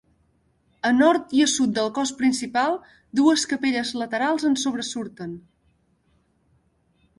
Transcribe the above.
A nord i a sud del cos principal, dues capelles laterals en sobresurten.